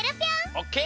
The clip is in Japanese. オッケー！